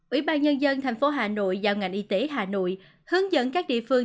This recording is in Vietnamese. ủy ban nhân dân thành phố hà nội giao ngành y tế hà nội hướng dẫn các địa phương